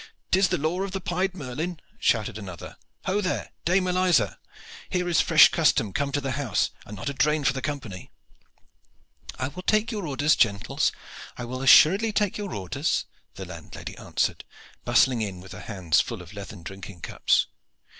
"'Tis the law of the 'Pied Merlin,'" shouted another. "Ho there, Dame Eliza! Here is fresh custom come to the house, and not a drain for the company." "I will take your orders, gentles; I will assuredly take your orders," the landlady answered, bustling in with her hands full of leathern drinking cups.